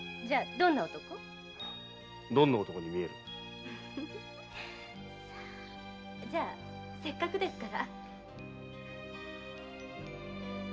どんな男に見える？じゃせっかくですから。